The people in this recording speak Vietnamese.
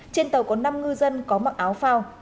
trên tàu có năm ngư dân có mặc áo phao